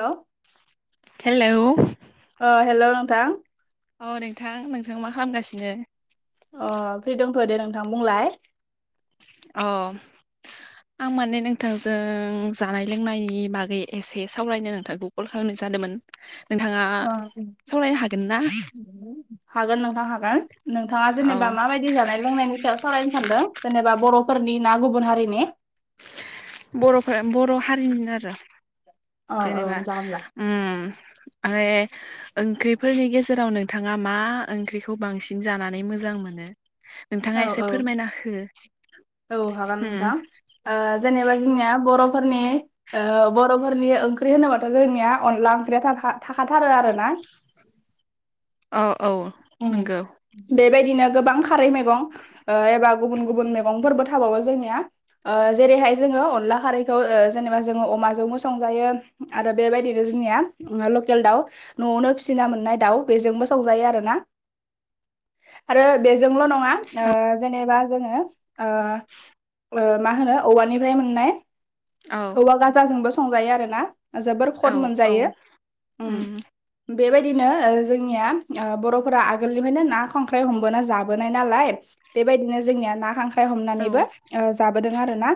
Hello hello अ hello नोंथां अ नोंथां नोंथाङा मा खालामगासिनो? अ फ्रि दंथ'यो दे नोंथां बुंलाय। अह आं माने नोंथांजों जानाय लोंनायनि बागै एसे सावरायनो नोंथांखौ कल खालामनाय जादोंमोन नोंथाङा ओ सावरायनो हागोन ना? हागोन नोंथां हागोन नोंथाङा औ जेनेबा माबायदि जानाय लोंनायनि सायाव सावरायनो सानदों? जेनेबा बर'फोरनि ना गुबुन हारिनि बर'फोरा बर' हारिनिनो आरो औ औ जेनेबा जागोन दा उम माने ओंख्रिफोरनि गेजेराव नोंथाङा मा ओंख्रिखौ बांसिन जानानै नानै मोजा मोनो नोंथाङा औ एसे औ फोरमायना हो। औ हागोन उम नोंथां ओ जेनेबा जोंनिया बर'फोरनि ओ बर'फोरनि ओंख्रि होनोबाथ' जोंनिया अनला ओंख्रिया थाखाय थाखाथारो आरो। आरो ना औ औ उम नंगौ। बेबायदिनो गोबां खारै मैगं एबा गुबुन गुबुन मैगंफोरबो थाबावो जोंनिया ओ जेरैहाय जोङो अनला खारैखौ ओ जेनेबा जोङो अमाजोंबो सं जायो आरो बेबायदिनो जोंनिया लकेल दाउ न'आवनो फिसि मोननाय दाउ बेजोंबो सं जायो आरो ना आरो बेजोंल' नङा ओ औ जेनेबा जोङो। ओ ओ मा होनो औवानिफ्राय मोननाय औ औवा गाजाजोंबो संजायो आरोना जोबोर खद औ औ मोनजायो। उम बेबायदिनो जोंनिया बर'फोरा आगोलनिफ्रायनो ना खांख्राइ हमबोना जाबोनाय नालाय। बेबायदिनो जोंनिया ना खांख्राइ औ हमनानैबो जाबोदों आरोना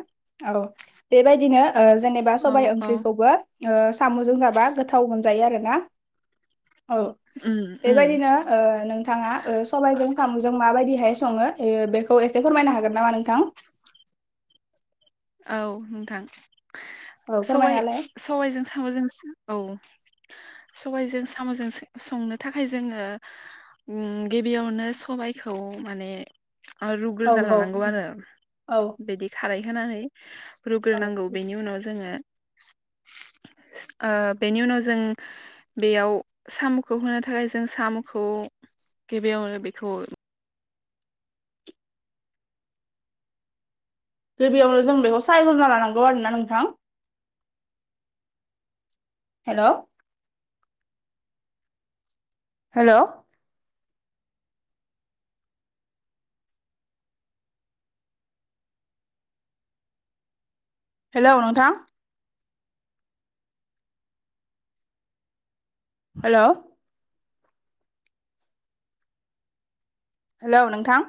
औ बेबायदिनो ओ जेनेबा औ सबाय औ ओंख्रिखौबो ओ साम'जों जाबा गोथाव मोनजायो आरो ना औ उम उम बेबायदिनो ओ नोंथाङा सबायजों साम'जों माबायदिहाय सङो ओ बेखौ एसे फोरमायनो हागोन नामा नोंथां? औ नोंथां। औ सबाइ फोरमायनालाय सबायजों साम'जों औ सबायाइजों साम'जों संनो थाखाय जोङो उम गिबियावनो सबाइखौ माने औ रुग्रोना औ लानांगौ आरो औ बिदि खारै होनानै औ रुग्रोनांगौ बेनि उनाव जोङो ओ बेनि उनाव जों बेयाव साम'खौ होनो थाखाय जों साम'खौ गिबियावनो बेखौ गिबियावनो जों बेखौ सायग्रोना लानांगौ आरोना नोंथां हेलौ हेलौ हेलौ नोंथां हेलौ हेलौ नोंथां